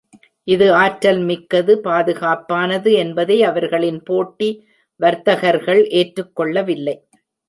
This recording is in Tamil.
இது ஆற்றல் மிக்கது, பாதுகாப்பானது என்பதை அவர்களின் போட்டி வர்த்தகர்கள் ஏற்றுக்கொள்ளவில்லை.